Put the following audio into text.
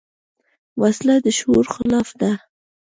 وسله د شعور خلاف ده